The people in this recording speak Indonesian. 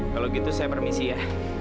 kalau gitu saya permisi ya